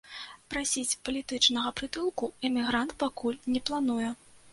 Прасіць палітычнага прытулку эмігрант пакуль не плануе.